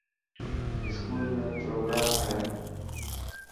اسڪول ۾ پروگرام هي.